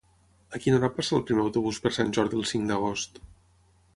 A quina hora passa el primer autobús per Sant Jordi el cinc d'agost?